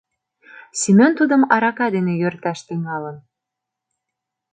Семён тудым арака дене йӧрташ тӱҥалын.